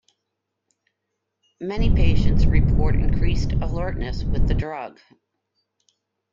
Many patients report increased alertness with the drug.